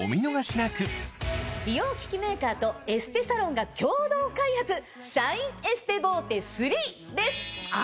なく美容機器メーカーとエステサロンが共同開発シャインエステボーテ３です。